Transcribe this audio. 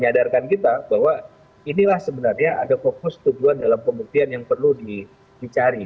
jadi bagaimana kita bisa mengatakan bahwa ini adalah sebenarnya ada fokus tujuan dalam pembuktian yang perlu dicari